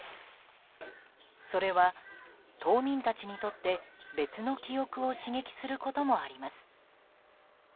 それは島民たちにとって別の記憶を刺激することもあります。